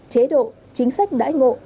chế độ chính sách đãi ngộ